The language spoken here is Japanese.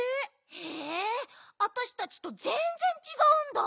へえわたしたちとぜんぜんちがうんだ。